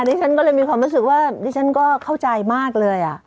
ดิฉันก็เลยมีความรู้สึกว่าดิฉันก็เข้าใจมากเลย